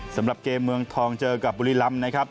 สำหรับเกมเมืองทองเจอกับบุรีรำนะครับ